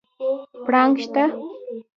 پړانګ شته؟